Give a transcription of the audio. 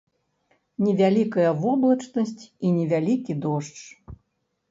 Невялікая воблачнасць і невялікі дождж.